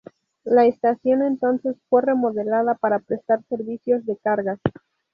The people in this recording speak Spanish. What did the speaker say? La estación entonces fue remodelada para prestar servicios de cargas.